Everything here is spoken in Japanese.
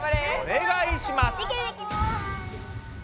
お願いします。